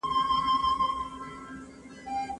د کلتوري توپیرونو پیژندل اړین دي.